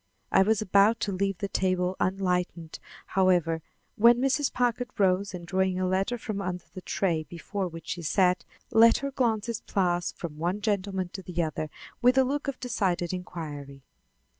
I was about to leave the table unenlightened, however, when Mrs. Packard rose and, drawing a letter from under the tray before which she sat, let her glances pass from one gentleman to the other with a look of decided inquiry.